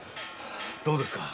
どうですか？